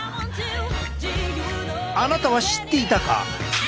あなたは知っていたか？